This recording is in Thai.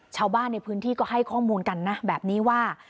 ชาวบ้านในพื้นที่ก็ให้ข้อมูลกันนะแบบนี้ว่า